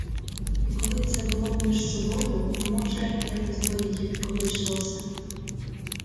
І коли б це було між собою — може, якось би й обійшлося.